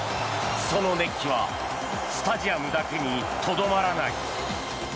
その熱気はスタジアムだけにとどまらない。